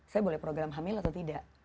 saya boleh program hamil atau tidak